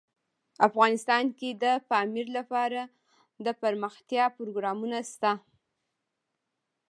افغانستان کې د پامیر لپاره دپرمختیا پروګرامونه شته.